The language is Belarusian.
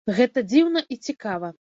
Гэта дзіўна і цікава.